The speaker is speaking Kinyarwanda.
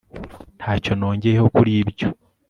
ntacyo nongeyeho kuri ibyo